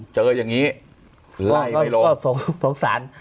เจออย่างนี้ไล่ไม่ลงก็สงสาร